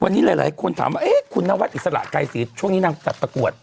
วันนี้หลายคนถามว่าคุณนวัดอิสระไกรศรีช่วงนี้นางจัดประกวด